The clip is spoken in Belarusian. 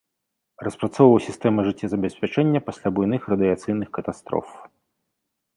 Распрацоўваў сістэмы жыццезабеспячэння пасля буйных радыяцыйных катастроф.